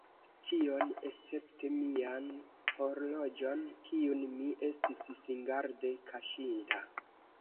Ĉion, escepte mian horloĝon, kiun mi estis singarde kaŝinta.